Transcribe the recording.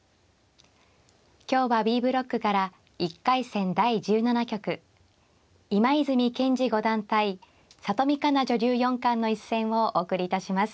今日はＢブロックから１回戦第１７局今泉健司五段対里見香奈女流四冠の一戦をお送りいたします。